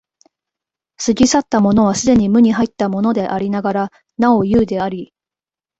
過ぎ去ったものは既に無に入ったものでありながらなお有であり、